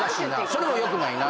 それもよくないな。